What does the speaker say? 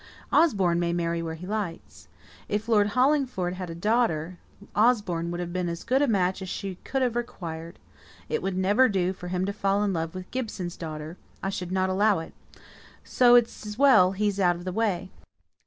Osborne may marry where he likes. If Lord Hollingford had a daughter, Osborne would have been as good a match as she could have required. It would never do for him to fall in love with Gibson's daughter I shouldn't allow it. So it's as well he's out of the way."